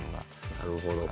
なるほど。